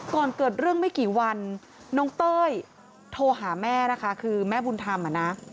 ก่อนเกิดเรื่องไม่กี่วันน้องเต้ยโทรหาแม่นะคะคือแม่บุญธรรมอ่ะนะ